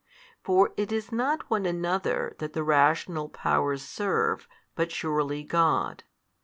For it is not one another that the rational powers serve but surely God.